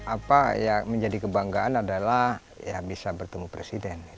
apa yang menjadi kebanggaan adalah ya bisa bertemu presiden